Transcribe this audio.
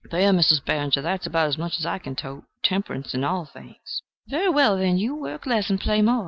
"There, Mizzes Barringer! there's about as much as I can tote. Temperance in all things." "Very well, then, you work less and play more.